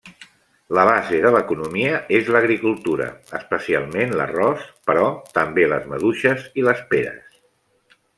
La base de l'economia és l'agricultura, especialment l'arròs, però també les maduixes i les peres.